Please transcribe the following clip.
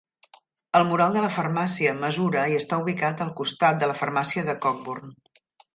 El mural de la farmàcia mesura i està ubicat al costat de la farmàcia de Cockburn.